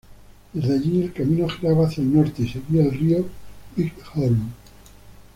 Desde allí, el camino giraba hacia el norte y seguía el río Bighorn.